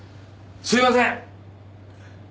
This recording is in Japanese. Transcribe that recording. すみません！